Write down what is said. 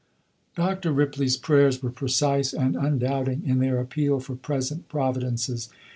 " Dr. Ripley's prayers were precise and undoubting in their appeal for present providences.